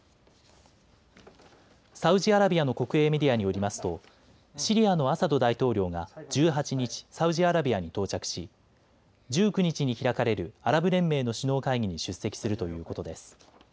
サウジアラビアの国営メディアによりますとシリアのアサド大統領が１８日、サウジアラビアに到着し１９日に開かれるアラブ連盟の首脳会議に出席するということです。